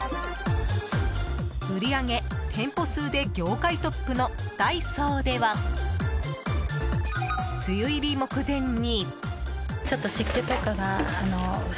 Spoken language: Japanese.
売り上げ、店舗数で業界トップのダイソーでは、梅雨入り目前に。